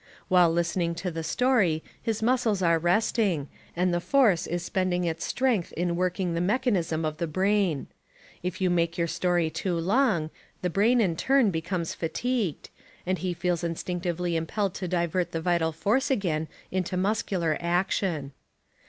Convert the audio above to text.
While listening to the story, his muscles are resting, and the force is spending its strength in working the mechanism of the brain. If you make your story too long, the brain, in turn, becomes fatigued, and he feels instinctively impelled to divert the vital force again into muscular action.